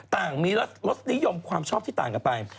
ต่างมีรสนิยมความชอบที่ต่างกันไป